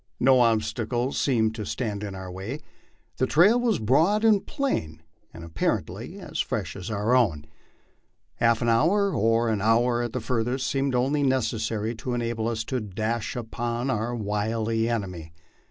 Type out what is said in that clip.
No ob stacle seemed to stand in our way; the trail was broad and plain, and appar ently as fresh as our own. A half hour, or an hour at furthest, seemed only necessary to enable us to dash in upon our wily enemy.